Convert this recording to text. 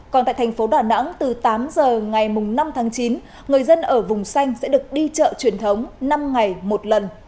còn tại thành phố đà nẵng từ tám giờ ngày năm tháng chín người dân ở vùng xanh sẽ được đi chợ truyền thống năm ngày một lần